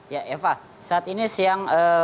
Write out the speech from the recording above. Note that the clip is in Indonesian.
ya eva saat ini siang